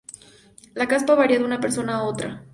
La caspa varía de una persona a otra.